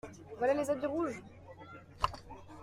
Voilà les habits rouges!